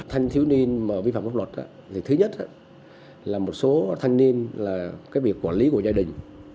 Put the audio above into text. thanh châu niên vi phạm pháp luật thứ nhất là một số thanh niên là việc quản lý của gia đình